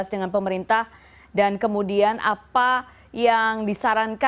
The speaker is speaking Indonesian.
kita juga melakukan tampilan bagian keharian yang lebih maladaga